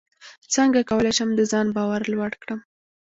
څنګه کولی شم د ځان باور لوړ کړم